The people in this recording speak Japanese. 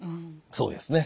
そうですね。